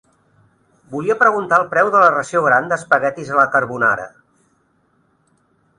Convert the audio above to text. Volia preguntar el preu de la ració gran d'espaguetis a la carbonara.